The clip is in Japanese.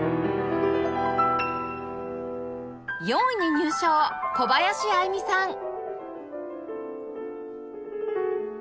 ４位に入賞小林愛実さん